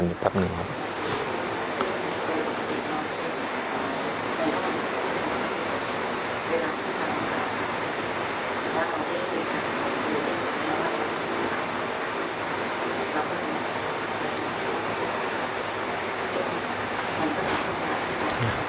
อันนี้คือเริ่มรู้สึกตัวแล้วเริ่มป้องกันตัวเองแล้ว